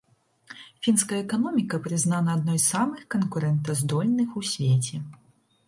Фінская эканоміка прызнана адной з самых канкурэнтаздольных у свеце.